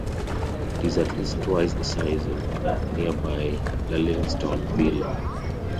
It is at least twice the size of nearby Lullingstone villa.